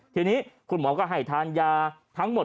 ทีนี้คุณหมอก็ให้ทานยาทั้งหมด